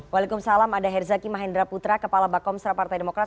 waalaikumsalam ada herzaki mahendra putra kepala bakomsra partai demokrat